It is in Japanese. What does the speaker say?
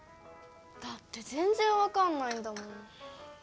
だってぜんぜんわかんないんだもん！